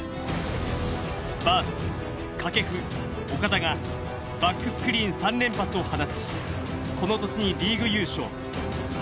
バース、掛布、岡田がバックスクリーン３連発を放ち、この年にリーグ優勝。